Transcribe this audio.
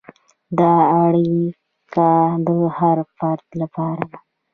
دا اړیکه د هر فرد لپاره ده.